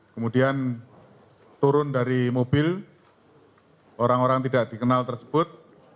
kemudian turun dari mobil orang orang tidak dikenal tersebut